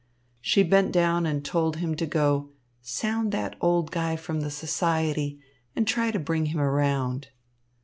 She bent down and told him to go "sound that old guy from the Society and try to bring him around."